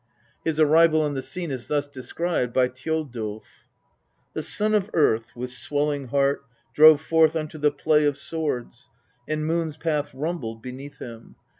His arrival on the scene is thus described by Thjodulf : The' son of Earth, with swelling heart, drove forth unto the play of swords, and Moon's path rumbled beneath him.